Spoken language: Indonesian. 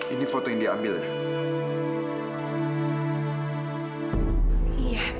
ini foto yang dia ambil ya